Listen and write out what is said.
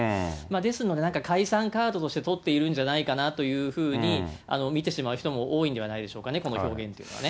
ですので、なんか解散カードとして取っているんじゃないかなというふうに見てしまう人も多いんではないでしょうかね、この表現というのはね。